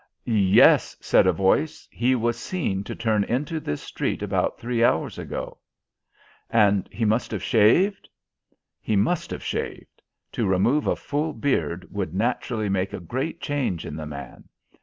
"Yes," said a voice, "he was seen to turn into this street about three hours ago." "And he must have shaved?" "He must have shaved. To remove a full beard would naturally make a great change in the man.